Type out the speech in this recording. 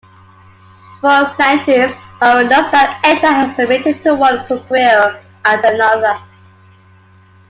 For centuries, Hoffer notes that Asia had submitted to one conqueror after another.